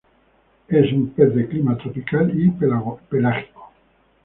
Es un pez de clima tropical y pelágico.